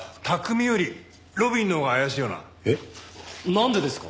なんでですか？